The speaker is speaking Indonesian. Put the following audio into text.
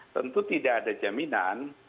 tentu tidak ada jaminan